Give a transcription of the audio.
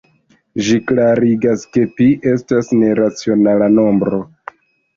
Ĝi klarigas, ke pi estas neracionala nombro.